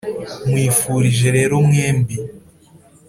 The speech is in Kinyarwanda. nkwifurije rero mwembi